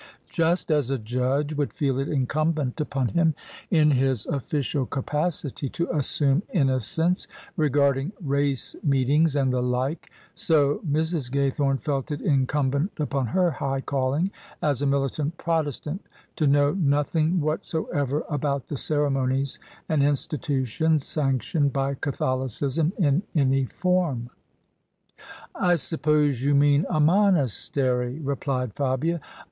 Just as a judge would feel it inciunbent upon him in his \ OF ISABEL CARNABY official capacity to assume innocence regarding race meetings and the like, so Mrs. Gajrthome felt it incumbent upon her hi^ calling as a militant Protestant to know nothing what soever about the ceremonies and institutions sanctioned by Catholicism in any form. " I suppose you mean a monastery? " replied Fabia.